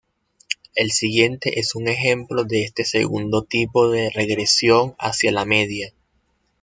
El siguiente es un ejemplo de este segundo tipo de regresión hacia la media.